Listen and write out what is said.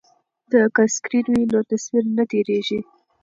که سکرین وي نو تصویر نه تیریږي.